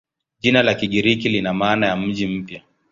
Jina la Kigiriki lina maana ya "mji mpya".